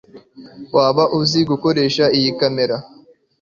waba uzi gukoresha iyi kamera